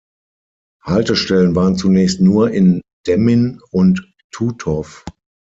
Haltestellen waren zunächst nur in Demmin und Tutow.